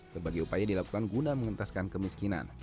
berbagai upaya dilakukan guna mengentaskan kemiskinan